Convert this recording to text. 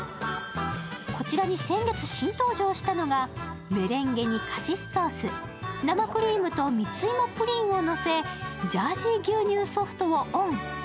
こちらに先月新登場したのが、メレンゲにカシスソース、生クリームと蜜芋プリンをのせジャージー牛乳ソフトをオン。